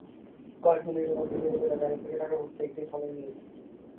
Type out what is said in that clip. কয়েক মিনিটের মধ্যে যুবকেরা গাড়ি থেকে টাকাভর্তি একটি থলে নিয়ে নেয়।